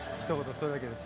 それだけです。